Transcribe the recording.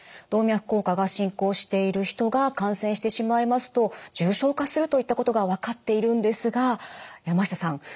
動脈硬化が進行している人が感染してしまいますと重症化するといったことが分かっているんですが山下さん